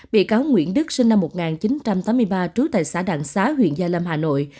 bị cáo nguyễn đức sinh năm một nghìn chín trăm tám mươi ba trú tại xã đặng xá huyện gia lâm hà nội